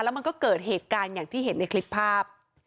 มันก็เกิดเหตุการณ์อย่างที่เห็นในคลิปภาพ